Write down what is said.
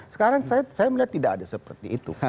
sekarang saya melihat tidak ada seperti itu